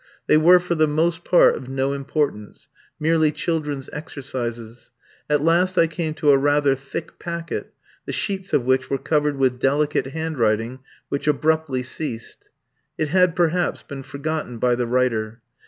They were for the most part of no importance, merely children's exercises. At last I came to a rather thick packet, the sheets of which were covered with delicate handwriting, which abruptly ceased. It had perhaps been forgotten by the writer.